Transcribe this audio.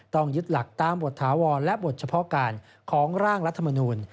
ต้องยึดหลักตามบทถาวรและบทเฉพาะการของร่างรัฐมนูล